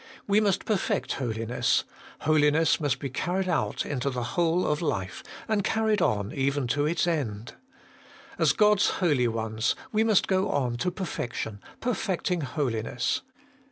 We must perfect holiness : holiness must be carried out into the whole of life, and carried on even to its end. As God's holy ones, we must go on to perfec tion, perfecting holiness.